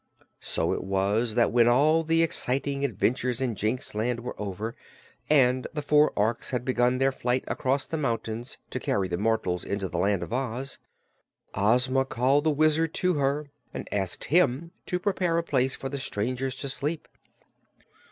So it was that when all the exciting adventures in Jinxland were over and the four Orks had begun their flight across the mountains to carry the mortals into the Land of Oz, Ozma called the Wizard to her and asked him to prepare a place for the strangers to sleep.